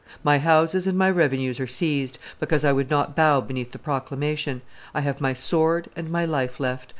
My houses and my revenues are seized, because I would not bow beneath the proclamation. I have my sword and my life left.